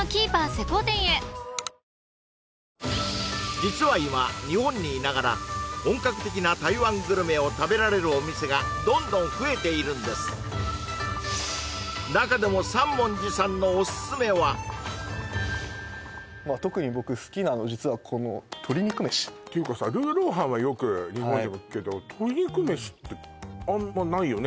実は今日本にいながら本格的な台湾グルメを食べられるお店がどんどん増えているんです中でも三文字さんのオススメは特に僕好きなの実はこのていうかさ魯肉飯はよく日本でも聞くけど鶏肉飯ってあんまないよね